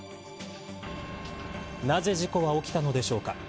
なぜ事故は起きたのでしょうか。